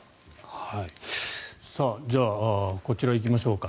じゃあこちらに行きましょうか。